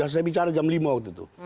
saya bicara jam lima waktu itu